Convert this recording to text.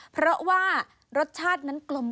เพราะว่ารสชาตินั้นกลม